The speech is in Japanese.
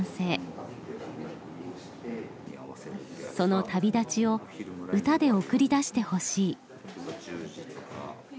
その旅立ちを歌で送り出してほしい。